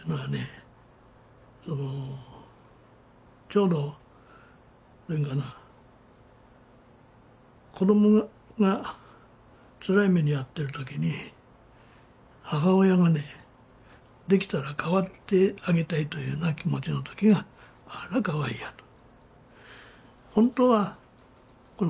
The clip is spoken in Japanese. ちょうど子どもがつらい目に遭ってるときに母親がねできたら代わってあげたいというような気持ちのときが「あらかわいや」と。